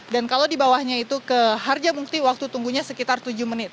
dan kalau di bawahnya itu ke harja mukti waktu tunggunya sekitar tujuh menit